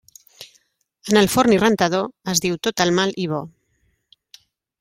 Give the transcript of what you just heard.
En el forn i rentador, es diu tot el mal i bo.